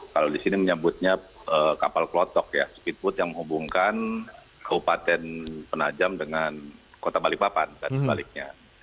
kalau di sini menyebutnya kapal klotok ya speedboat yang menghubungkan kabupaten penajam dengan kota balikpapan dan sebaliknya